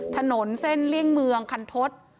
ถนนเส้นเลี่ยงเมืองคันทศ